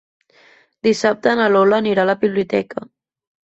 Dissabte na Lola anirà a la biblioteca.